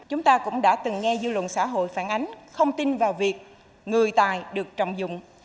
chúng ta cũng đã từng nghe dư luận xã hội phản ánh không tin vào việc người tài được trọng dụng